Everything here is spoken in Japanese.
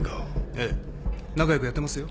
ええ仲良くやってますよ。